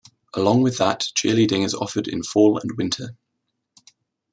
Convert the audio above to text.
Along with that, cheerleading is offered in fall and winter.